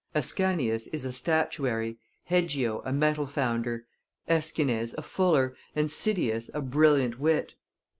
"Ascanius is a statuary, Hegio a metal founder, AEschines a fuller, and Cydias a brilliant wit.